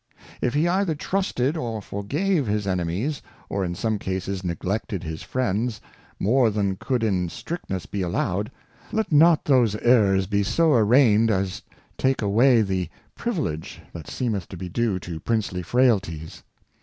If he either trusted, or forgave his Enemies, or in some Cases neglected his Friends, more than could in Strictness be allowed ; let not those Errors be so arraigned as take away the Privi lege that seemeth to be due to Princely Frailties.